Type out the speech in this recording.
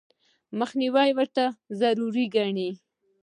مخنیوي ورته ضروري ګڼي.